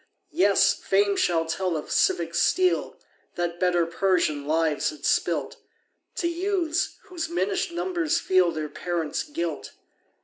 Yes, Fame shall tell of civic steel That better Persian lives had spilt, To youths, whose minish'd numbers feel Their parents' guilt.